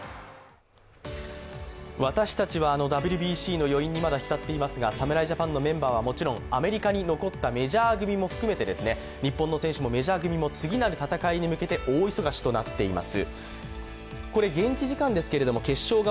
私たちはＷＢＣの余韻にまだひたっていますが、侍ジャパンのメンバーはもちろんアメリカに残ったメジャー組も含めて日本の選手もメジャー組も次なる戦いに向けて大忙しとなっています。